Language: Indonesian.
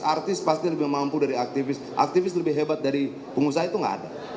artis pasti lebih mampu dari aktivis lebih hebat dari pengusaha itu nggak ada